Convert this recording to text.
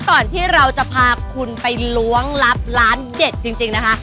ก่อนที่เราจะพาคุณไปล้วงลับร้านเด็ดจริงนะคะ